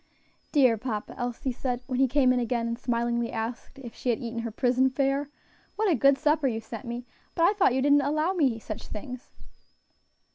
"Dear papa," Elsie said, when he came in again and smilingly asked if she had eaten her prison fare, "what a good supper you sent me! But I thought you didn't allow me such things!"